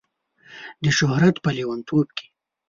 د شهرت په لیونتوب کې